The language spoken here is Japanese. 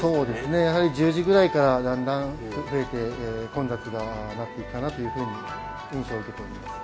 やはり１０時ぐらいからだんだん増えて混雑になっていくかなという印象があります。